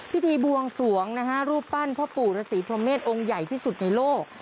พิธีบวงสวงนะฮะรูปปั้นพ่อปู่ฤษีพรหมเศษองค์ใหญ่ที่สุดในโลก